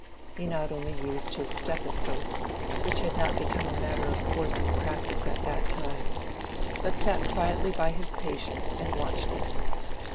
He not only used his stethoscope (which had not become a matter of course in practice at that time), but sat quietly by his patient and watched him.